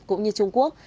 cũng như trung quốc